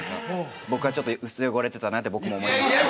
僕はちょっと薄汚れてたなって僕も思いました